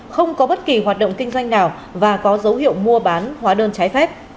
không có bất kỳ hoạt động kinh doanh nào và có dấu hiệu mua bán hóa đơn trái phép